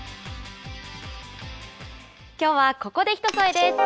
きょうはここで「ひとそえ」です。